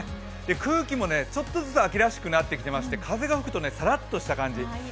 空気もちょっとずつ秋らしくなっていまして風が吹くとさらっとした感じ。